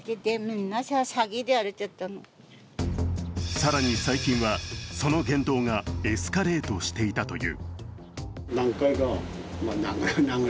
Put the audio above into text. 更に最近はその言動がエスカレートしていたという。